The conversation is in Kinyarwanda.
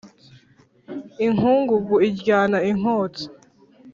Inkungugu iryana i Nkotsi